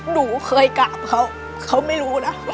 หนูเคยกราบเขาเขาไม่รู้นะ